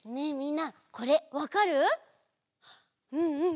うんうん。